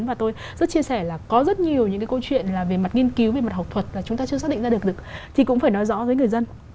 và tôi rất chia sẻ là có rất nhiều những cái câu chuyện là về mặt nghiên cứu về mặt học thuật là chúng ta chưa xác định ra được được thì cũng phải nói rõ với người dân